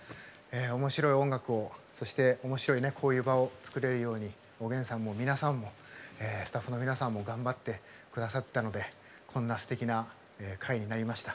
面白い音楽をそして面白いねこういう場を作れるようにおげんさんも皆さんもスタッフの皆さんも頑張ってくださったのでこんなすてきな会になりました。